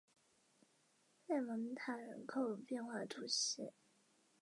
为索利斯提亚公爵家三兄妹就读的学校由德鲁萨西斯公爵经营的商会。